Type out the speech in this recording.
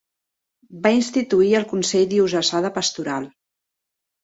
Va instituir el Consell Diocesà de Pastoral.